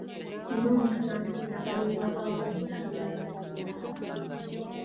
Nina omukisa nti ku ttaka ly’Obwakabaka ninako ebibanja bitaano.